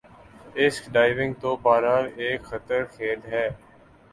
اسک diving تو بہر حال ایک خطر کھیل ہے